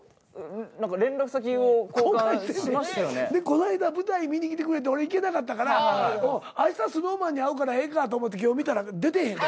この間舞台見に来てくれて俺行けなかったからあしたＳｎｏｗＭａｎに会うからええかと思って今日見たら出てへん。